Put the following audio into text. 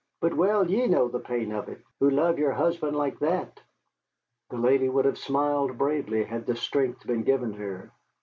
But well ye know the pain of it, who love yere husband like that." The lady would have smiled bravely, had the strength been given her.